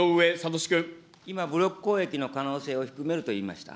今、武力攻撃の可能性を含めると言いました。